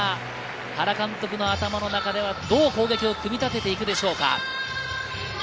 原監督の頭の中では、どう攻撃を組み立てていくでしょうか。